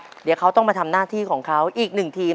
เดี๋ยวเขาต้องมาทำหน้าที่ของเขาอีกหนึ่งทีม